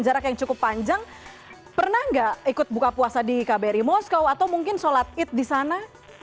jarak yang cukup panjang pernah nggak ikut buka puasa di kbri moskow atau mungkin sholat id di sana